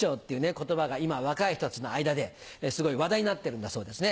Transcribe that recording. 言葉が今若い人たちの間ですごい話題になってるんだそうですね。